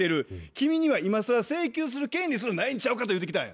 君には今更請求する権利すらないんちゃうか」と言うてきたんや。